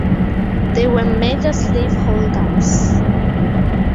They were major slaveholders.